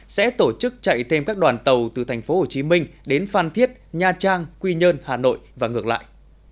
sẽ tổ chức chạy thêm các đoàn tàu từ tp hcm đến phan thiết nha trang quy nhơn hà nội và ngược lại